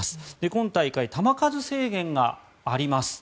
今大会、球数制限があります。